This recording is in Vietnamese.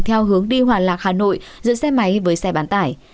theo hướng đi hòa lạc hà nội giữa xe máy với xe bán tải